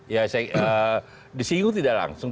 ya disinggung tidak langsung